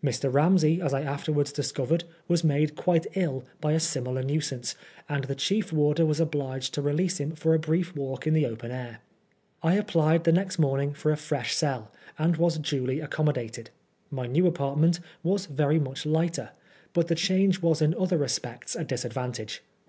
Mr. Ramsey, as I afterwards discovered, was made quite ill by a similar nuisance, and the chief warder was obliged to release him for a brief walk in the open air. I applied the next morning for a fresh cell, and was duly accommo dated. My new apartment was very much lighter, but the change was in other respects a disadvantage.